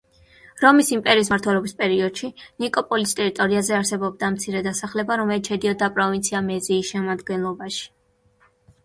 რომის იმპერიის მმართველობის პერიოდში ნიკოპოლის ტერიტორიაზე არსებობდა მცირე დასახლება, რომელიც შედიოდა პროვინცია მეზიის შემადგენლობაში.